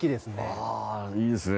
あいいですね。